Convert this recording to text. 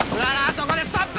そこでストップ！